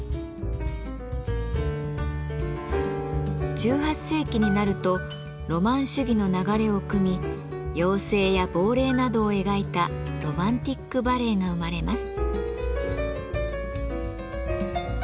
１８世紀になるとロマン主義の流れをくみ妖精や亡霊などを描いたロマンティック・バレエが生まれます。